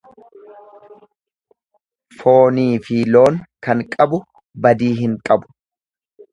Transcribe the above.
Fooniifi loon kan qabu badii hin qabu.